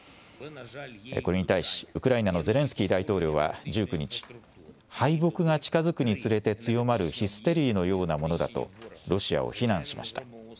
これに対し、ウクライナのゼレンスキー大統領は１９日、敗北が近づくにつれて強まるヒステリーのようなものだと、ロシアを非難しました。